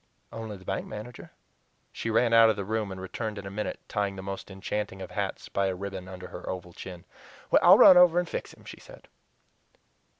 "Only the bank manager." She ran out of the room and returned in a minute tying the most enchanting of hats by a ribbon under her oval chin. "I'll run over and fix him," she said.